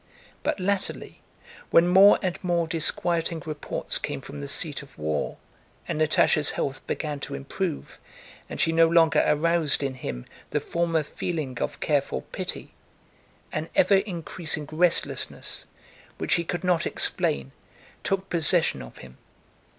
But latterly, when more and more disquieting reports came from the seat of war and Natásha's health began to improve and she no longer aroused in him the former feeling of careful pity, an ever increasing restlessness, which he could not explain, took possession of him.